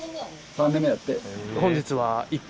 ３年目やって。